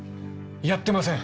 やってません！